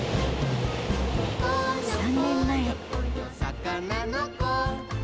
３年前。